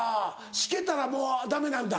しけたらもうダメなんだ。